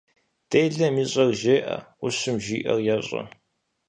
Делэм ищӏэр жеӏэ, ӏущым жиӏэр ещӏэ.